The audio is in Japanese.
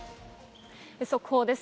速報です。